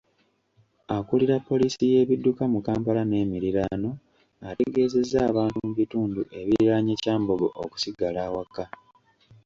Akulira poliisi y'ebidduka mu Kampala n'emiriraano, ategeezezza abantu mu bitundu ebiriraanye Kyambogo okusigala awaka